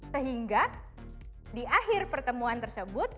sehingga di akhir pertemuan tersebut